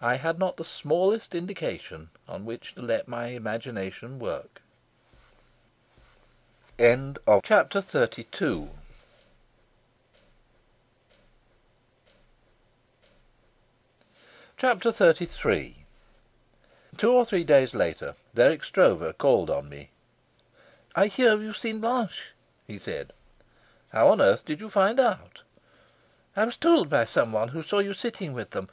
I had not the smallest indication on which to let my imagination work. Chapter XXXIII Two or three days later Dirk Stroeve called on me. "I hear you've seen Blanche," he said. "How on earth did you find out?" "I was told by someone who saw you sitting with them.